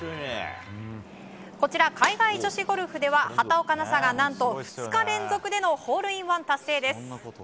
海外女子ゴルフでは畑岡奈紗が、何と２日連続でのホールインワン達成です。